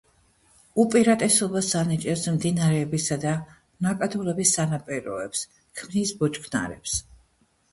უპირატესობას ანიჭებს მდინარეებისა და ნაკადულების სანაპიროებს, ქმნის ბუჩქნარებს.